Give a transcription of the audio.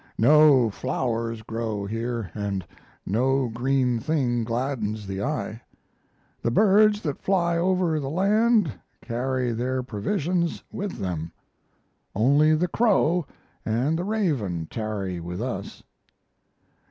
No flowers grow here, and no green thing gladdens the eye. The birds that fly over the land carry their provisions with them. Only the crow and the raven tarry with us.